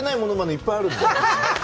いっぱいあるので。